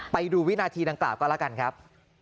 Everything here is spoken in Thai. ไปดูวินาทีดังกล่าวก็แล้วกันครับ